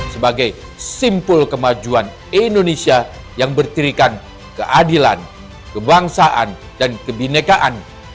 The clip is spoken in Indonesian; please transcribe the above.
sebagai simpul kemajuan indonesia yang bertirikan keadilan kebangsaan dan kebinekaan